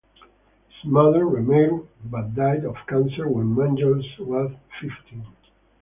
His mother remarried but died of cancer when Mangels was fifteen.